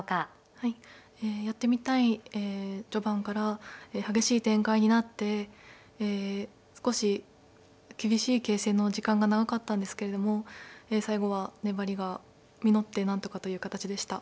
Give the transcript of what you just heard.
はいえやってみたい序盤から激しい展開になってえ少し厳しい形勢の時間が長かったんですけれども最後は粘りが実ってなんとかという形でした。